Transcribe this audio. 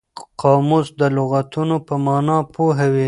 قاموس د لغتونو په مانا پوهوي.